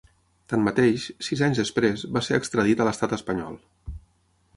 Tanmateix, sis anys després, va ser extradit a l’estat espanyol.